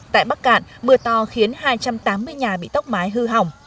tại bắc cạn mưa to khiến hai trăm tám mươi nhà bị tốc mái hư hỏng